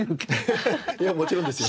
アハハいやもちろんですよ。